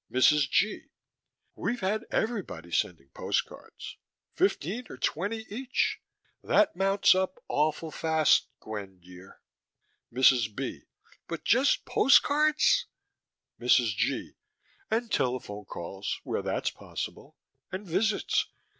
MRS. G.: We've had everybody sending postcards. Fifteen or twenty each. That mounts up awfully fast, Gwen dear. MRS. B.: But just postcards MRS. G.: And telephone calls, where that's possible. And visits.